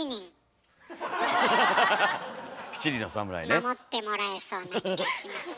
守ってもらえそうな気がします。